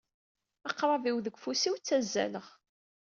Aqrab-iw deg ufus-iw ttazzaleɣ.